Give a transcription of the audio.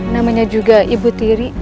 namanya juga ibu tiri